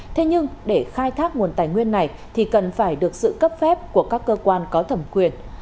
thế nhưng để khai thác nguồn tài nguyên này thì cần phải được sự cấp phép của các cơ quan có thẩm quyền